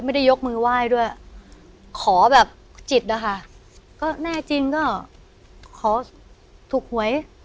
ยกมือไหว้ด้วยขอแบบจิตอะค่ะก็แน่จริงก็ขอถูกหวย